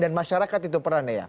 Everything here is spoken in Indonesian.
dan masyarakat itu perannya ya